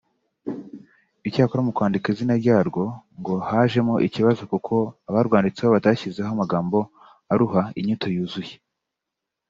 Icyakora mu kwandika izina ryarwo ngo hajemo ikibazo kuko abarwanditseho batashyizeho amagambo aruha inyito yuzuye